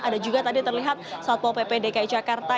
ada juga tadi terlihat satpol pp dki jakarta